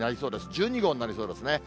１２号になりそうですね。